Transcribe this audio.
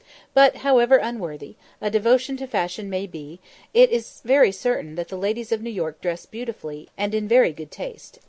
But however unworthy a devotion to fashion may be, it is very certain that the ladies of New York dress beautifully, and in very good taste.